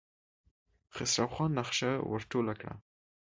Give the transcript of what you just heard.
خسرو خان نخشه ور ټوله کړه.